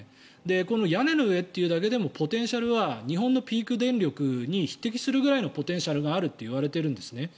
屋根の上というだけでもポテンシャルは日本のピーク電力に匹敵するぐらいのポテンシャルがあるといわれているんですね。